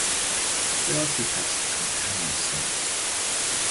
There are two types of companion cells.